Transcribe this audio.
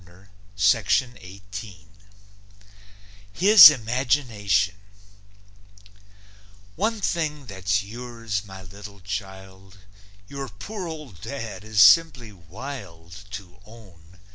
HIS IMAGINATION One thing that's yours, my little child Your poor old dad is simply wild To own.